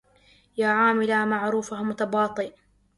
يا عاملا معروفه متباطي